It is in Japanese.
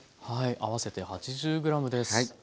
合わせて８０ｇです。